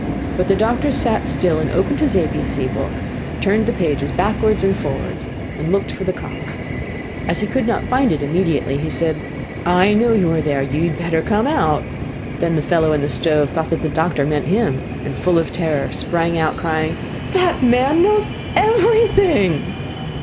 But the doctor sat still and opened his A B C book, turned the pages backwards and forwards, and looked for the cock. As he could not find it immediately he said: 'I know you are there, so you had better come out!' Then the fellow in the stove thought that the doctor meant him, and full of terror, sprang out, crying: 'That man knows everything!